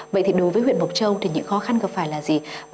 vậy thì đối với huyện mộc châu thì những khó khăn gặp phải là gì